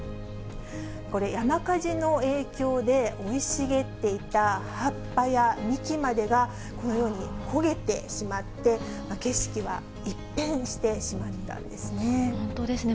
これ、山火事の影響で、生い茂っていた葉っぱや幹までが、このように焦げてしまって、本当ですね。